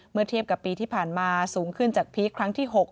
เมื่อเทียบกับปีที่ผ่านมาสูงขึ้นจากพีคครั้งที่๖